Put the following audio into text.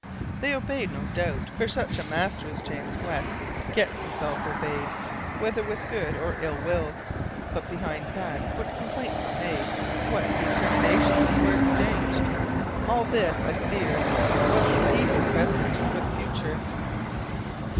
They obeyed, no doubt, for such a master as James West gets himself obeyed, whether with good or ill will. But behind backs what complaints were made, what recriminations were exchanged! All this, I feared, was of evil presage for the future.